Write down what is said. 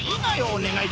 お願い。